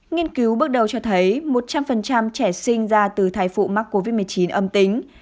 nghiên cứu bước đầu cho thấy một trăm linh trẻ sinh ra từ thai phụ mắc covid một mươi chín âm tính